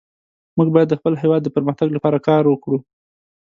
موږ باید د خپل هیواد د پرمختګ لپاره کار وکړو